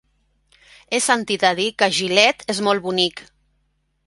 He sentit a dir que Gilet és molt bonic.